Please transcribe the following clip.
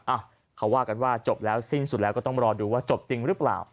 อ่ะเขาว่ากันว่าจบแล้วสิ้นสุดแล้วก็ต้องรอดูว่าจบจริงหรือเปล่า